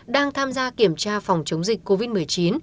đang tham gia kiểm tra phòng chống dịch covid một mươi chín